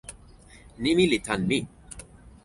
nimi li tan mi.